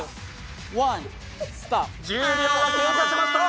１０秒が経過しました。